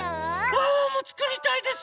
ワンワンもつくりたいです。